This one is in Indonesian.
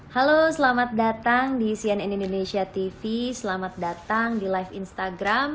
halo selamat datang di cnn indonesia tv selamat datang di live instagram